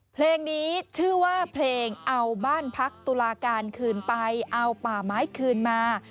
เพลงนี้ชื่อว่าเพลงเอาบ้านพักตุลาการคืนไปเอาป่าไม้คืนมา